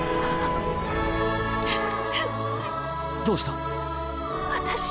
どうした？